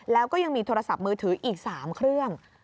แล้วก็ยังมีโทรศัพท์มือถืออีก๓เครื่อง